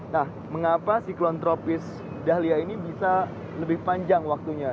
nah mengapa siklon tropis dahlia ini bisa lebih panjang waktunya